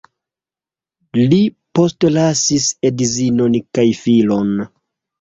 Li postlasis edzinon kaj filon.